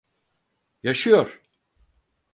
Yaşıyor!